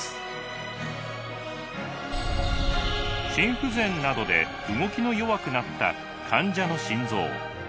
心不全などで動きの弱くなった患者の心臓。